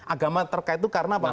agama terkait itu karena apa